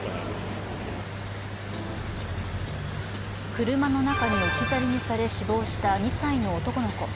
車の中に置き去りにされ死亡した２歳の男の子。